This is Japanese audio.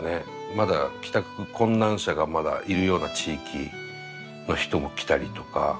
まだ帰宅困難者がまだいるような地域の人も来たりとか。